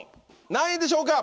何位でしょうか？